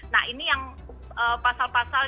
nah ini yang pasal pasal